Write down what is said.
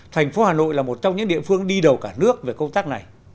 thành phố hà nội là một trong những địa phương đi đầu cả nước về công tác này